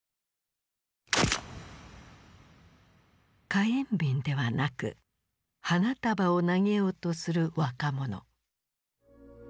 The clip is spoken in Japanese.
火炎瓶ではなく花束を投げようとする若者。